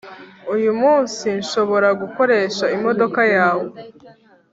uyu munsi nshobora gukoresha imodoka yawe